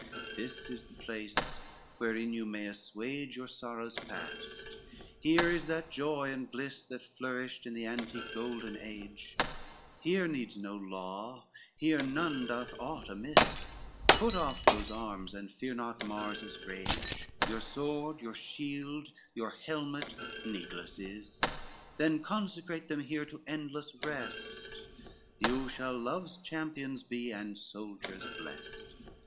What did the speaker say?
LXIII "This is the place wherein you may assuage Your sorrows past, here is that joy and bliss That flourished in the antique golden age, Here needs no law, here none doth aught amiss: Put off those arms and fear not Mars his rage, Your sword, your shield, your helmet needless is; Then consecrate them here to endless rest, You shall love's champions be, and soldiers blest.